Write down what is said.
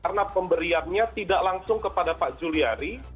karena pemberiannya tidak langsung kepada pak juliari